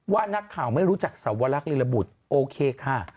ว่านักข่าวไม่รู้จักสวรรคลิระบุตรโอเคค่ะ